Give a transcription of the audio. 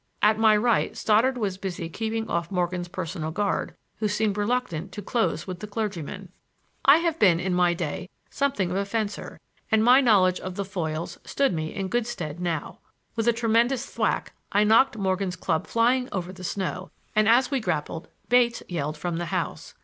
At my right Stoddard was busy keeping off Morgan's personal guard, who seemed reluctant to close with the clergyman. I have been, in my day, something of a fencer, and my knowledge of the foils stood me in good stead now. With a tremendous thwack I knocked Morgan's club flying over the snow, and, as we grappled, Bates yelled from the house.